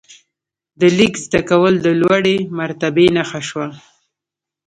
د لیک زده کول د لوړې مرتبې نښه شوه.